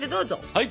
はい！